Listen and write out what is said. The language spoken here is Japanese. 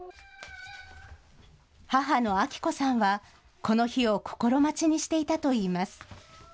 母の亜希子さんは、この日を心待ちにしていたといいます。